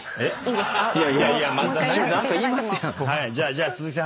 じゃあ鈴木さん